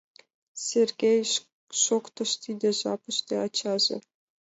— Сергей! — шоктыш тиде жапыште ачаже.